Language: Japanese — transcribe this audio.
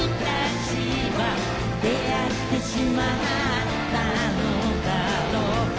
「出逢ってしまったのだろう」